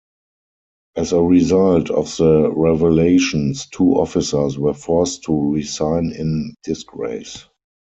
As a result of the revelations, two officers were forced to resign in disgrace.